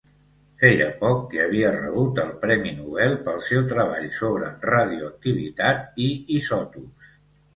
Feia poc que havia rebut el premi Nobel pel seu treball sobre radioactivitat i isòtops.